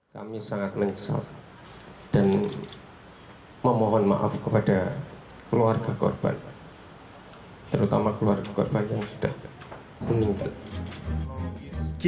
kami sangat menyesal dan memohon maaf kepada keluarga korban terutama keluarga korban yang sudah meninggal